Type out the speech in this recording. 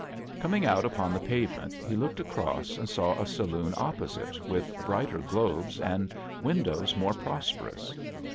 Coming out upon the pavement, he looked across and saw a saloon opposite with brighter globes and windows more prosperous.